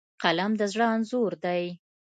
فلم د زړه انځور دی